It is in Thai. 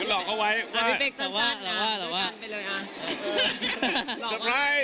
คุณหลอกเขาไว้ว่า